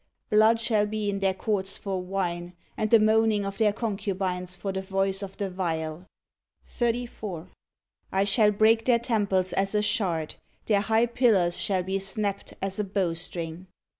blood shall be in their courts for wine, and the moaning of their concubines for the voice of the viol. 34. I shall break their temples as a shard; their high pillars shall be snapt as a bow string.